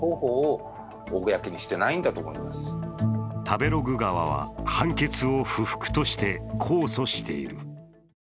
食べログ側は判決を不服として控訴している。